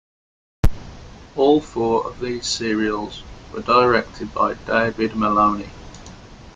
All four of these serials were directed by David Maloney.